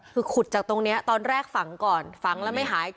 คือขุดจากตรงนี้ตอนแรกฝังก่อนฝังแล้วไม่หาย